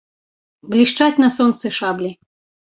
Блішчаць на сонцы шаблі.